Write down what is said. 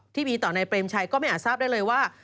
ที่มีต่อนายเปรมชัยก็ไม่อาจทราบได้เลยว่า